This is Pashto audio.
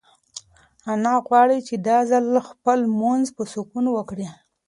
انا غواړي چې دا ځل خپل لمونځ په سکون وکړي.